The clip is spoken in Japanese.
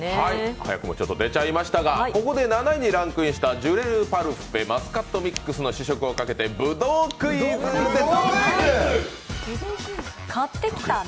早くも出ちゃいましたがここで７位にランクインしましたジュレパルフェ・マスカットミックスの試食をかけて、ぶどうクイズです。